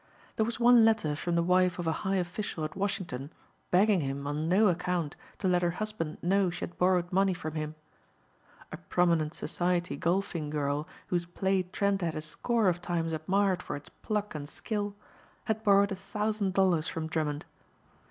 There was one letter from the wife of a high official at Washington begging him on no account to let her husband know she had borrowed money from him. A prominent society golfing girl whose play Trent had a score of times admired for its pluck and skill had borrowed a thousand dollars from Drummond.